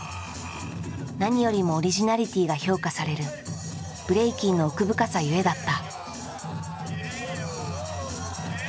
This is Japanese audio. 何よりもオリジナリティーが評価されるブレイキンの奥深さゆえだった。